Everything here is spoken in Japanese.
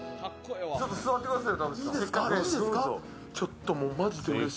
ちょっと座ってくださいよ。